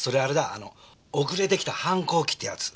あの遅れてきた反抗期ってやつ。